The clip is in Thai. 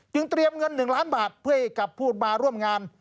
เตรียมเงิน๑ล้านบาทเพื่อให้กับผู้มาร่วมงาน